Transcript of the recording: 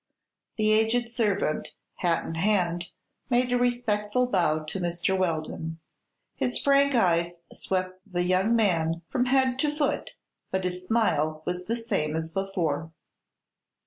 The aged servant, hat in hand, made a respectful bow to Mr. Weldon. His frank eyes swept the young man from head to foot but his smile was the same as before.